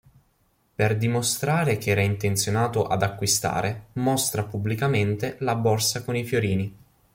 Per dimostrare che era intenzionato ad acquistare, mostra pubblicamente la borsa con i fiorini.